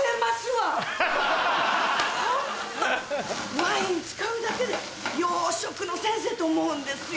ワイン使うだけで洋食の先生と思うんですよ